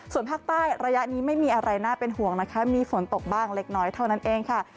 ส่วนภาคใต้ระยะนี้ไม่มีอะไรน่าเป็นห่วงนะคะมีฝนตกบ้างเล็กน้อยเท่านั้นเองค่ะ